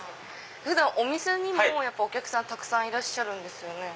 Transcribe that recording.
普段お店にもお客さんたくさんいらっしゃるんですよね。